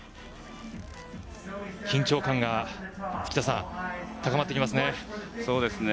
緊張感が附田さん、高まってきますね。